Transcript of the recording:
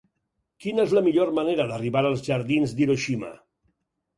Quina és la millor manera d'arribar als jardins d'Hiroshima?